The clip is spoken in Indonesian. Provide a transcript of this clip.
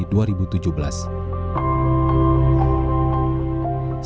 pusat rehabilitasi harimau sumatera